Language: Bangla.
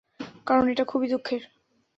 কারণ এটা খুবই দুঃখের।